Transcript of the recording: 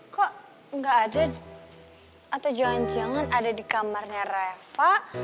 kok nggak ada atau jangan jangan ada di kamarnya rafa